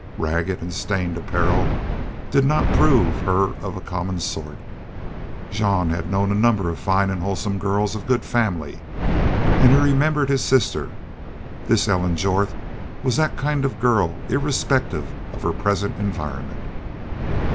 Ragged and stained apparel did not prove her of a common sort. Jean had known a number of fine and wholesome girls of good family; and he remembered his sister. This Ellen Jorth was that kind of a girl irrespective of her present environment.